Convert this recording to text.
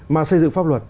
mà xây dựng pháp luật thì